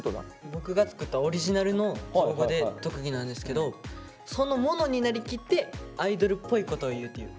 僕が作ったオリジナルの造語で特技なんですけどそのものになりきってアイドルっぽいことを言うっていう。